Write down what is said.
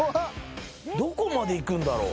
どこまで行くんだろう。